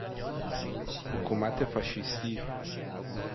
حکومت فاشیستی